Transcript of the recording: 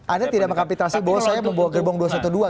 anda tidak mengkapitalisasi bahwa saya membawa gerbong dua ratus dua belas